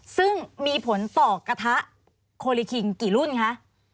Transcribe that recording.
ซึ่งมีผลต่อกระทะโคลิคิงกี่รุ่นคะ